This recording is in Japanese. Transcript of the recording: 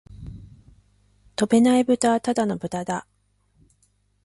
飛べないブタはただの豚だ